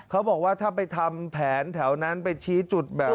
เขาบอกว่าถ้าไปทำแผนแถวนั้นไปชี้จุดแบบ